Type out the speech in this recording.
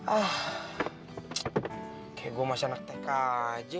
ah kayak gue masih anak tk aja